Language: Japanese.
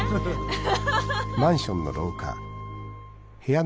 アハハハ！